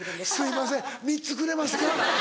すいません３つくれますか。